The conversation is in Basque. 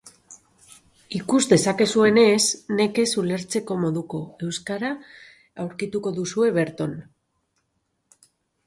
Ikus dezakezuenez, nekez ulertzeko moduko euskara aurkituko duzue berton.